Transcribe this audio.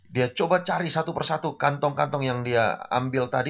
dia coba cari satu persatu kantong kantong yang dia ambil tadi